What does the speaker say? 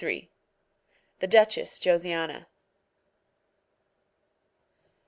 THE DUCHESS JOSIANA.